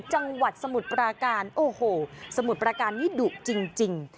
จังหวัดสมุทรปราการโอ้โหสมุทรประการนี้ดุจริง